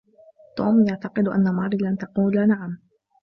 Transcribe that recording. توم يعتقد أن ماري لن تقول نعم.